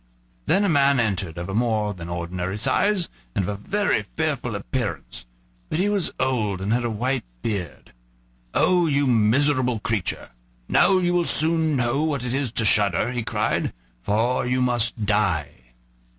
Then a man entered, of more than ordinary size and of a very fearful appearance; but he was old and had a white beard. "Oh! you miserable creature, now you will soon know what it is to shudder," he cried, "for you must die."